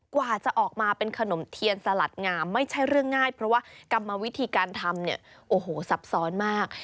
กว่าจะออกมาเป็นขนมเทียนสลัดงามไม่ใช่เรื่องง่ายเพราะว่ากรรมวิธีการทำเนี่ยโอ้โหซับซ้อนมาก